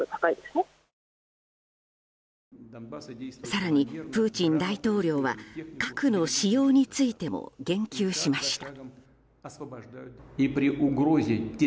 更にプーチン大統領は核の使用についても言及しました。